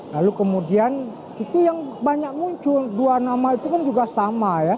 lalu kemudian itu yang banyak muncul dua nama itu kan juga sama ya